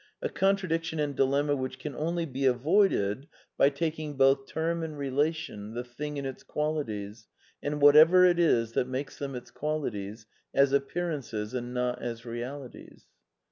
A contradiction and dilemma which can only be avoided by taking both term and rela tion, the thing and its qualities, and whatever it is that makes them its qualities, as appearances and not as reali ties.